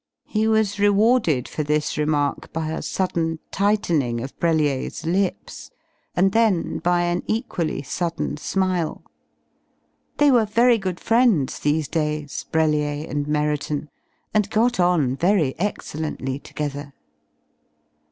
He was rewarded for this remark by a sudden tightening of Brellier's lips, and then by an equally sudden smile. They were very good friends these days Brellier and Merriton, and got on very excellently together.